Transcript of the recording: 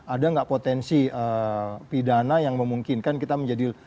ada nggak potensi pidana yang memungkinkan kita menjadi